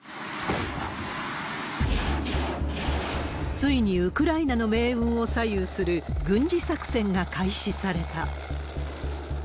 ついにウクライナの命運を左右する軍事作戦が開始された。